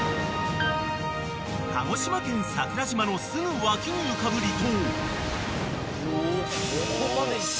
［鹿児島県桜島のすぐ脇に浮かぶ離島］